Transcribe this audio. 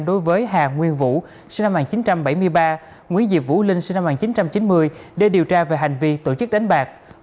đối với hà nguyên vũ sinh năm một nghìn chín trăm bảy mươi ba nguyễn diệp vũ linh sinh năm một nghìn chín trăm chín mươi để điều tra về hành vi tổ chức đánh bạc